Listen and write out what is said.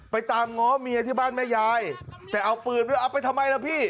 ตามง้อเมียที่บ้านแม่ยายแต่เอาปืนด้วยเอาไปทำไมล่ะพี่